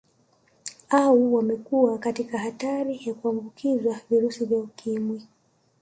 Au wamekuwa katika hatari ya kuambukizwa virusi vya Ukimwi